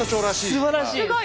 すばらしい！